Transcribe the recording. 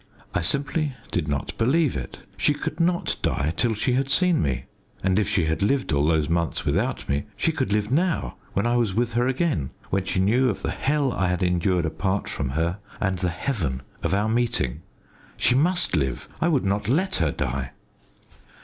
I simply did not believe it. She could not die till she had seen me. And if she had lived all those months without me, she could live now, when I was with her again, when she knew of the hell I had endured apart from her, and the heaven of our meeting. She must live. I would not let her die.